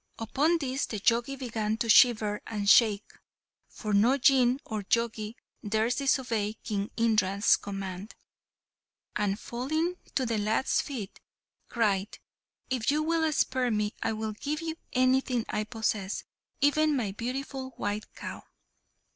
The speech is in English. Upon this the Jogi began to shiver and shake (for no Jinn or Jogi dares disobey King Indra's command), and, falling at the lad's feet, cried, "If you will spare me I will give you anything I possess, even my beautiful white cow!"